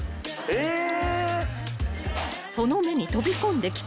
・えっ！